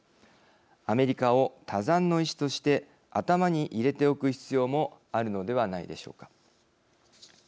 アメリカを他山の石として頭に入れておく必要もあるのではないでしょうか。